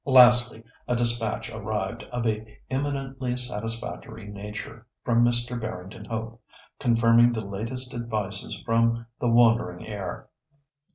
Lastly, a despatch arrived of an eminently satisfactory nature, from Mr. Barrington Hope, confirming the latest advices from "the wandering heir."